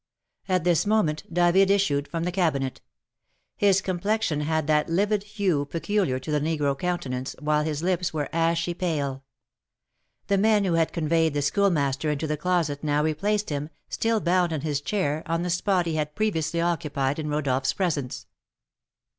At this moment David issued from the cabinet; his complexion had that livid hue peculiar to the negro countenance, while his lips were ashy pale. The men who had conveyed the Schoolmaster into the closet now replaced him, still bound in his chair, on the spot he had previously occupied in Rodolph's presence.